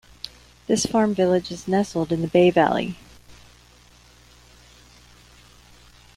This farm village is nestled in the Bey valley.